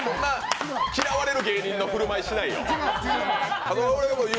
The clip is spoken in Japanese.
嫌われる芸人の振るまいしないと思うよ。